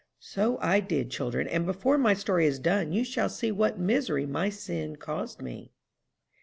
"So I did, children, and before my story is done you shall see what misery my sin caused me."